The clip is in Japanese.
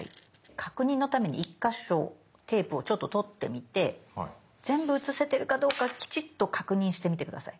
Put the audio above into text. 確認のために１か所テープをちょっと取ってみて全部写せてるかどうかきちっと確認してみて下さい。